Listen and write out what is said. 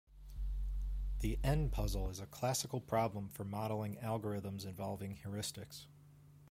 The "n"-puzzle is a classical problem for modelling algorithms involving heuristics.